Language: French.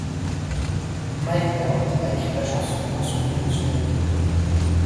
Mike Dirnt a écrit la chanson en souvenir de son ami.